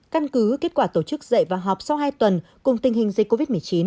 căn cứ kết quả tổ chức dạy và học sau hai tuần cùng tình hình dịch covid một mươi chín